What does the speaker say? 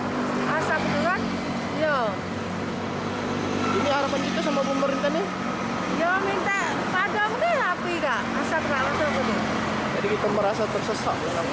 jadi kita merasa tersesak